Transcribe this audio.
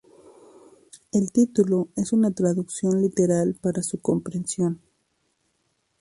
El título es una traducción literal para su comprensión.